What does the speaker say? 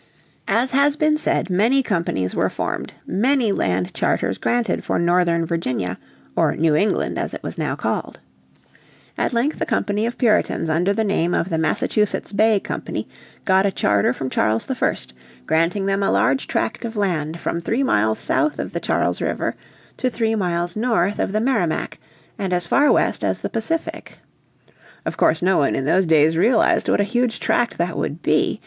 As has been said many companies were formed, many land charters granted for Northern Virginia, or New England, as it was now called. At length a company of Puritans under the name of the Massachusetts Bay Company got a charter from Charles I, granting them a large tract of land from three miles south of the Charles River to three miles north of the Merrimac, and as far west as the Pacific. Of course no one in those days realised what a huge tract that would be.